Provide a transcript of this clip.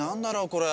これ。